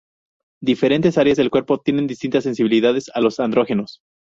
Diferentes áreas del cuerpo tienen distintas sensibilidades a los andrógenos.